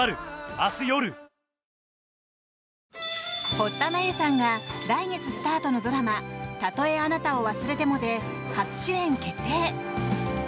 堀田真由さんが来月スタートのドラマ「たとえあなたを忘れても」で初主演決定。